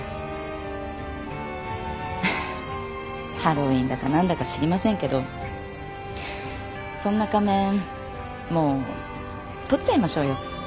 ハロウィーンだか何だか知りませんけどそんな仮面もう取っちゃいましょうよ。